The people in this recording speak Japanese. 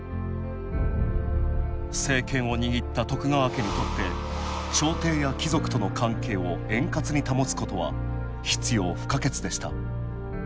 政権を握った徳川家にとって朝廷や貴族との関係を円滑に保つことは必要不可欠でした。